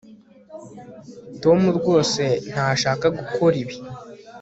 tom rwose ntashaka gukora ibi